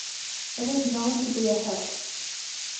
It was known to be a hit.